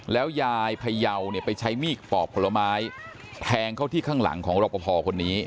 แล้วยายพยาวเนี่ยไปใช้มีดปอกผลไม้แทงเข้าที่ข้างหลังของรอปภคนนี้